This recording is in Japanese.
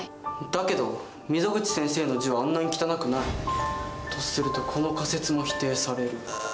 だけど溝口先生の字はあんなに汚くない。とするとこの仮説も否定される。